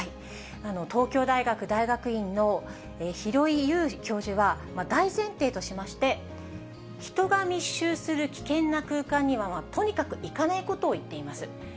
東京大学大学院の廣井悠教授は、大前提としまして、人が密集する危険な空間には、とにかく行かないことを言っています。